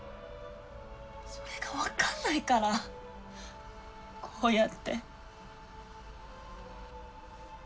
それが分かんないからこうやって。